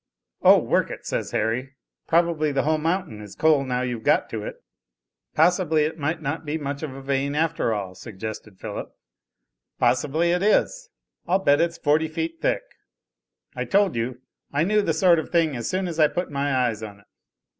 "Oh, work it," says Harry, "probably the whole mountain is coal now you've got to it." "Possibly it might not be much of a vein after all," suggested Philip. "Possibly it is; I'll bet it's forty feet thick. I told you. I knew the sort of thing as soon as I put my eyes on it."